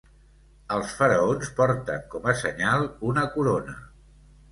Els faraons porten com a senyal una corona.